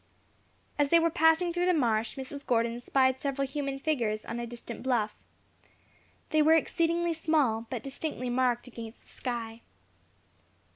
As they were passing through the marsh, Mrs. Gordon spied several human figures on a distant bluff. They were exceedingly small, but distinctly marked against the sky.